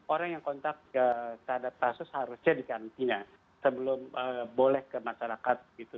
orang yang kontak ke pasus harusnya dikarantina sebelum boleh ke masyarakat gitu